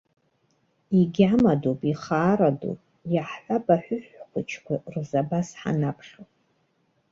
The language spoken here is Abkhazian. Игьамадоуп, ихаарадоуп, иаҳҳәап, аҳәыҳә хәыҷқәа рзы абас ҳанаԥхьо.